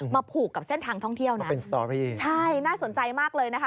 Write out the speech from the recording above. ผูกกับเส้นทางท่องเที่ยวนะเป็นสตอรี่ใช่น่าสนใจมากเลยนะคะ